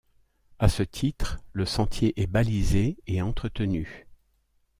À ce titre, le sentier est balisé et entretenu.